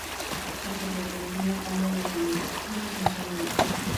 Tras el repentino cambio de directivos en Sony Int.